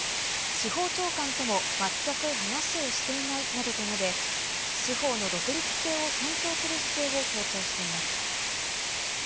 司法長官とも全く話をしていないなどと述べ、司法の独立性を尊重する姿勢を強調しています。